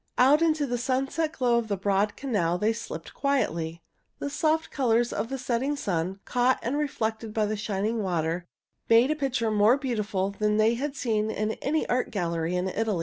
Out into the sunset glow of the broad canal they slipped quietly. The soft colors of the setting sun, caught and reflected by the shining water, made a picture more beautiful than they had seen in any art gallery in Italy.